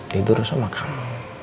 tidur sama kamu